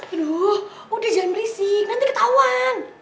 aduh udah jangan berisik nanti ketauan